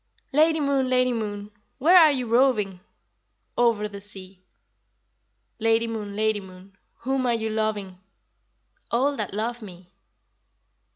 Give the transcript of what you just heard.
Lady Moon, Lady Moon, where are you roving? Over the sea. Lady Moon, Lady Moon, whom are you loving? All that love me.